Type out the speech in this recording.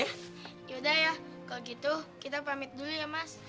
ya yaudah ya kalau gitu kita pamit dulu ya mas